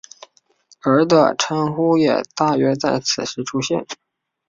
而的称呼也大约在此时出现。